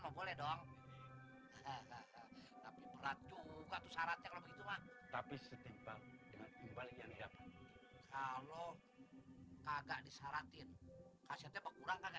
ah emang tapi kasihan karena kuburannya